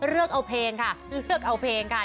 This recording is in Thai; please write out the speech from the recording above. เลือกเอาเพลงค่ะเลือกเอาเพลงค่ะ